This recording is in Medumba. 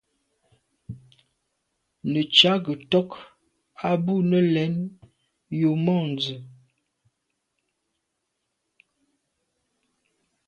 Nə̀ cà gə tɔ́k á bû nə̀ lɛ̌n yù môndzə̀.